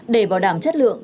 để bảo đảm chất lượng